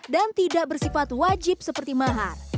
dan tidak bersifat wajib seperti mahar